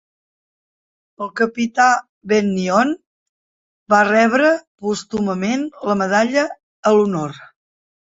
El capità Bennion va rebre pòstumament la Medalla a l'Honor.